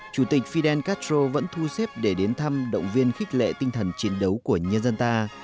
chủ tịch fidel castro vẫn thu xếp để đến thăm động viên khích lệ tinh thần chiến đấu của nhân dân ta